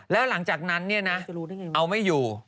และหลังจากนั้นเอาไม่อยู่